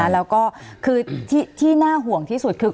แล้วก็คือที่น่าห่วงที่สุดคือ